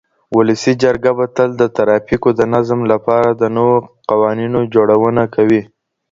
ولسي جرګه به تل د ترافيکو د نظم لپاره د نوو قوانينو جوړونه کوي.